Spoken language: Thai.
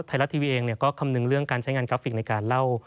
ไทยรัฐทีวีเองก็คำนึงเรื่องการใช้งานกราฟิกในการเล่า